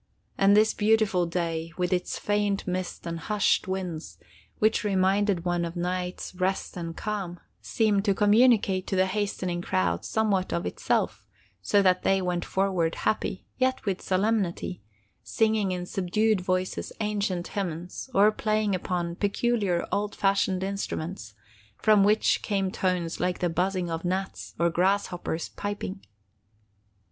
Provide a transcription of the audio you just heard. And this beautiful day, with its faint mist and hushed winds, which reminded one of Night's rest and calm, seemed to communicate to the hastening crowds somewhat of itself, so that they went forward happy—yet with solemnity—singing in subdued voices ancient hymns, or playing upon peculiar old fashioned instruments, from which came tones like the buzzing of gnats, or grasshoppers' piping.